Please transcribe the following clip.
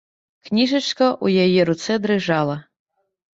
Кніжачка ў яе руцэ дрыжала.